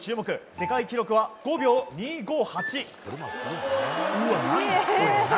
世界記録は５秒２５８。